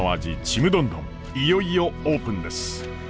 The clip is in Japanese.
ちむどんどんいよいよオープンです。